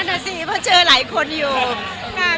มีคนไปเจองนองไป